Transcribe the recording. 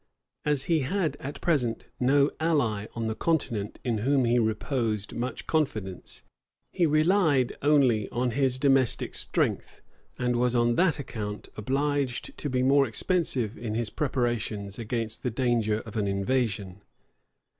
As he had at present no ally on the continent in whom he reposed much confidence, he relied only on his domestic strength, and was on that account obliged to be more expensive in his preparations against the danger of an invasion.